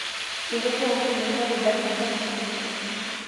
Les références au mouvements des Black Panthers y sont nombreuses.